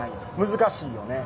難しいよね。